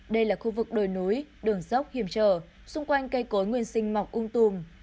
đây là khu vực đồi núi đường dốc hiểm trở xung quanh cây cối nguyên sinh mọc ung tùm